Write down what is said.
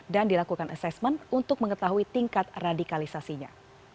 dan dilakukan asesmen untuk mengetahui tingkat radikalisasinya